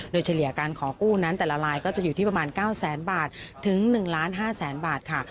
โดยเฉลี่ยการขอกู้นั้นแต่ละลายก็จะอยู่ที่ประมาณ๙แสนบาทถึง๑ล้าน๕แสนบาทค่ะ